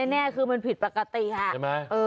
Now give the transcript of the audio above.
แน่คือมันผิดปกติค่ะ